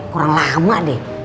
kurang lama deh